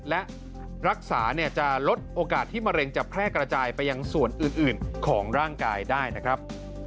และรักษาจะลดโอกาสที่มะเร็งจะแพร่กระจายไปยังส่วนอื่นของร่างกายได้นะครับ